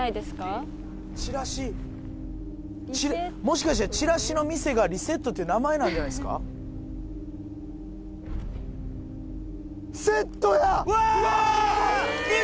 チラシもしかしてチラシの店が「リセット」って名前なんじゃないすかうわっ！